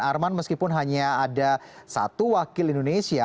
arman meskipun hanya ada satu wakil indonesia